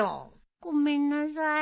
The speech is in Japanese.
ごめんなさい。